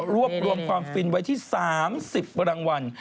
รวบรวมความฟินไว้ที่๓๐รางวัล